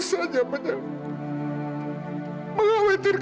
saya suara hasil understood